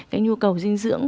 cái nhu cầu dinh dưỡng